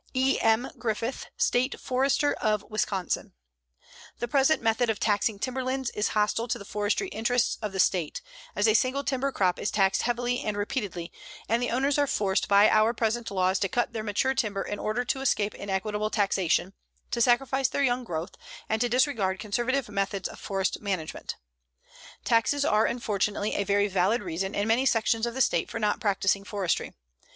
E. M. GRIFFITH, State Forester of Wisconsin: The present method of taxing timberlands is hostile to the forestry interests of the State, as a single timber crop is taxed heavily and repeatedly, and the owners are forced by our present laws to cut their mature timber in order to escape inequitable taxation, to sacrifice their young growth, and to disregard conservative methods of forest management. Taxes are unfortunately a very valid reason in many sections of the State for not practicing forestry.